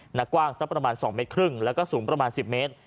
หน้ากว้างสักประมาณ๒เมตรครึ่งแล้วก็สูงประมาณ๑๐เมตร